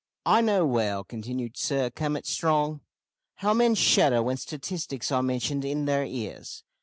"I know well," continued Sir Cummit Strong, "how men shudder when statistics are mentioned in their ears!